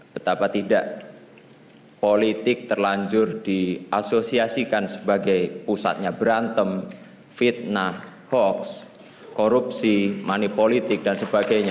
betapa tidak politik terlanjur diasosiasikan sebagai pusatnya berantem fitnah hoaks korupsi manipolitik dan sebagainya